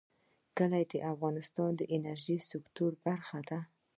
کلي د افغانستان د انرژۍ سکتور برخه ده.